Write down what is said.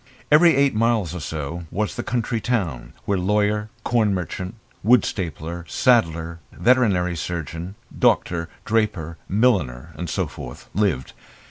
Every eight miles or so was the country town, where lawyer, corn merchant, wool stapler, saddler, veterinary surgeon, doctor, draper, milliner and so forth lived.